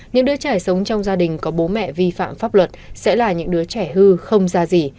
những đứa trẻ sống trong gia đình có bố mẹ vi phạm pháp luật sẽ là những đứa trẻ hư không ra gì